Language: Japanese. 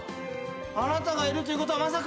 あなたがいるということはまさか。